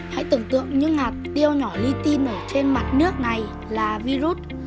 hãy tưởng tượng những ngạt tiêu nhỏ lítin ở trên mặt nước này là virus